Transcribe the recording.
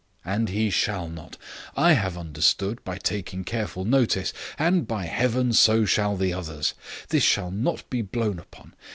And he shall not. I have understood, by taking careful notice; and, by heaven, so shall the others. This shall not be blown upon.